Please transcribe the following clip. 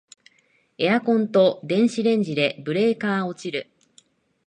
エアコンと電子レンジでブレーカー落ちる